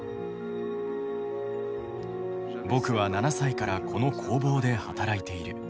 「僕は７歳からこの工房で働いている。